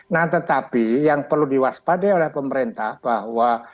nah tetapi yang perlu diwaspadai oleh pemerintah bahwa